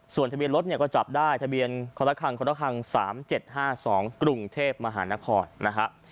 ส่วนทะเบียนรถเนี่ยก็จับได้ทะเบียนคนละคังครคัง๓๗๕๒กรุงเทพมหานครนะฮะ